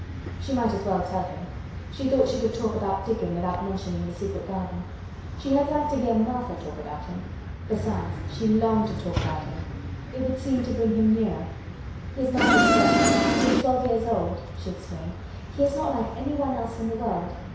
She might as well tell him, she thought she could talk about Dickon without mentioning the secret garden. She had liked to hear Martha talk about him. Besides, she longed to talk about him. It would seem to bring him nearer. "He is Martha's brother. He is twelve years old," she explained. "He is not like anyone else in the world.